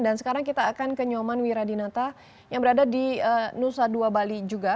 dan sekarang kita akan ke nyoman wiradinata yang berada di nusa dua bali juga